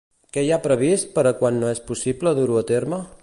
Què hi ha previst per a quan no és possible dur-ho a terme?